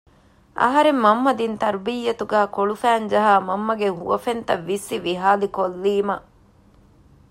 އަހަރެން މަންމަ ދިން ތަރުބިއްޔަތުގައި ކޮޅުފައިންޖަހާ މަންމަގެ ހުވަފެންތައް ވިއްސި ވިހާލި ކޮއްލީމަ